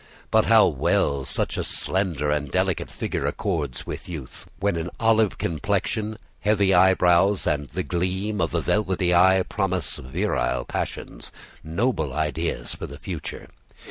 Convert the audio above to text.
But how well such a slender and delicate figure accords with youth, when an olive complexion, heavy eyebrows, and the gleam of a velvety eye promise virile passions, noble ideas for the future!